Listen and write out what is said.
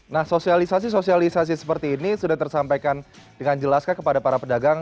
nah sosialisasi sosialisasi seperti ini sudah tersampaikan dengan jelas kepada para pedagang